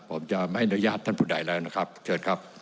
ผมจะไม่อนุญาตท่านผู้ใดแล้วนะครับเชิญครับ